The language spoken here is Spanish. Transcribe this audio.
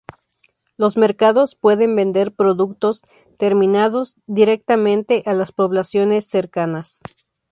Los mercados pueden vender productos terminados directamente a las poblaciones cercanas.